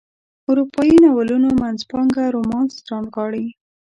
اروپایي ناولونو منځپانګه رومانس رانغاړي.